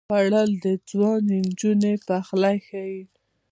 خوړل د ځوانې نجونې پخلی ښيي